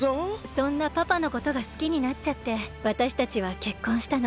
そんなパパのことがすきになっちゃってわたしたちはけっこんしたの。